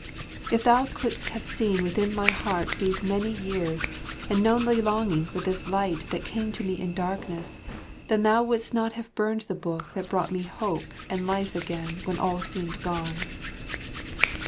If thou couldst have seen within my heart these many ears, and known the longing for this light that came to me in darkness, then thou wouldst not have burned the book that brought me hope and life again when all seemed gone.